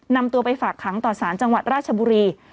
นำตัวไปฝากขังต่อสารจังหวัดราชบุรี